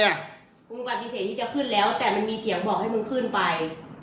กูปฏิเสธที่จะขึ้นแล้วแต่มันมีเสียงบอกให้มึงขึ้นไป